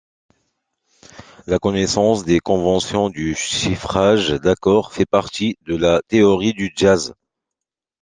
La connaissance des conventions du chiffrage d'accords fait partie de la théorie du jazz.